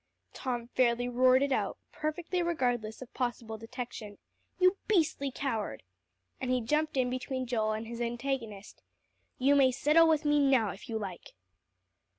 Tom fairly roared it out, perfectly regardless of possible detection. "You beastly coward!" And he jumped in between Joel and his antagonist. "You may settle with me now if you like."